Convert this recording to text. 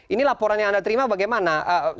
ini laporan yang anda terima bagaimana